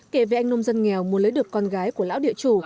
kể về anh nông dân nghèo muốn lấy được con gái của lão địa chủ